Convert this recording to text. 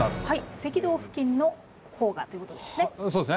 赤道付近の方がということですね。